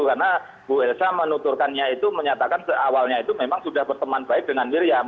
karena bu elsa menuturkannya itu menyatakan awalnya itu memang sudah berteman baik dengan miriam